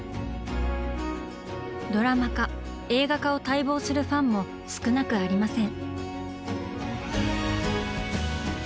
ドラマ化映画化を待望するファンも少なくありません。